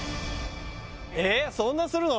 えそんなするの？